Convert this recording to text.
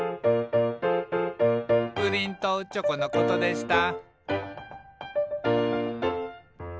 「プリンとチョコのことでした」